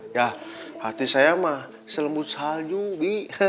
ya hati saya mah selembut salju bi